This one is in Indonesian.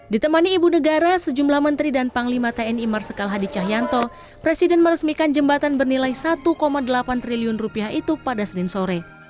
ditemani ibu negara sejumlah menteri dan panglima tni marsikal hadi cahyanto presiden meresmikan jembatan bernilai satu delapan triliun rupiah itu pada senin sore